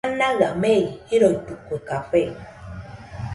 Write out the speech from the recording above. Manaɨa mei jiroitɨkue café